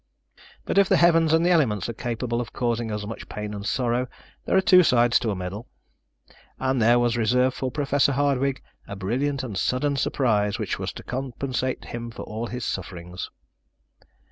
But if the heavens and the elements are capable of causing us much pain and sorrow, there are two sides to a medal. And there was reserved for Professor Hardwigg a brilliant and sudden surprise which was to compensate him for all his sufferings.